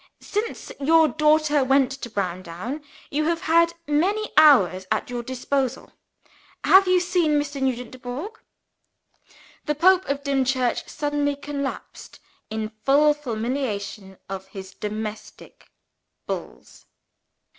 "Since your daughter went to Browndown, you have had many hours at your disposal. Have you seen Mr. Nugent Dubourg?" The Pope of Dimchurch suddenly collapsed, in full fulmination of his domestic Bulls.